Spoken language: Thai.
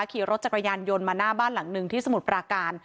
ขี่รถจักรยานยนต์มาหน้าบ้านหลังหนึ่งที่สมุทรปราการ